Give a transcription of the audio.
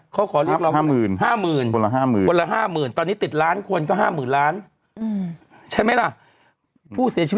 ก็ไม่รู้เหมือนกันไง